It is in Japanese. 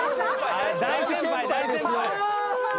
大先輩大先輩。